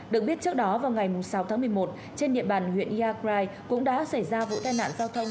được biết trước đó vào ngày sáu tháng một mươi một trên địa bàn huyện iagrai cũng đã xảy ra vụ tai nạn giao thông